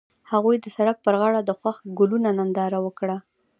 هغوی د سړک پر غاړه د خوښ ګلونه ننداره وکړه.